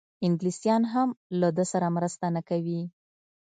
انګلیسیان هم له ده سره مرسته نه کوي.